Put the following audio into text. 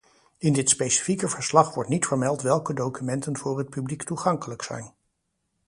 In dit specifieke verslag wordt niet vermeld welke documenten voor het publiek toegankelijk zijn.